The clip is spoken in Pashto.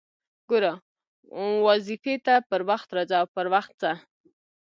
ګوره! واظيفې ته پر وخت راځه او پر وخت ځه!